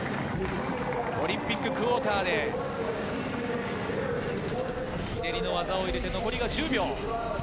オリンピッククォーターで、ひねりの技を入れて、残り１０秒。